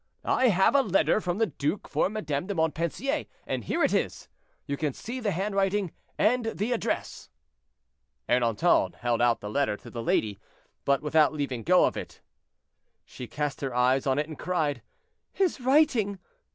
I have a letter from the duke for Madame de Montpensier, and here it is; you can see the handwriting and the address." Ernanton held out the letter to the lady, but without leaving go of it. She cast her eyes on it, and cried, "His writing!